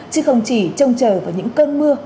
chứ không chỉ trông chờ vào những cơn mưa